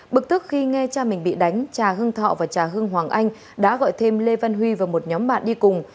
bực tức khi nghe cha mình bị đánh cha hưng thọ và cha hưng hoàng anh đã gọi thêm lê văn huy và một nhóm bạn đi cùng